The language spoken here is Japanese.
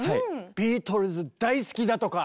ビートルズ大好きだとか。